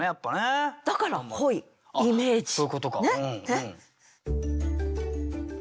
だから「本意イメージ」ね。